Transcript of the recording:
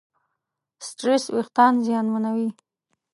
سټرېس وېښتيان زیانمنوي.